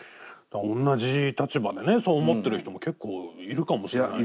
同じ立場でねそう思ってる人も結構いるかもしれないから。